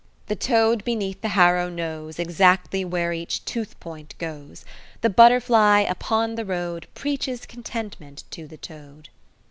"The toad beneath the harrow knows Exactly where each tooth point goes. The butterfly upon the road Preaches contentment to the toad."